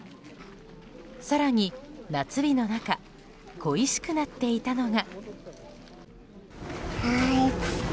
更に、夏日の中恋しくなっていたのが。